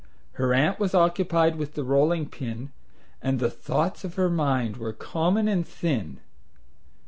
Her aunt was occupied with the rolling pin And the thoughts of her mind were common and thin.